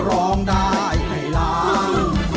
ร้องได้ให้ล้าน